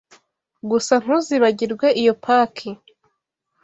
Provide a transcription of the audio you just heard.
Gusa ntuzibagirwe iyo paki.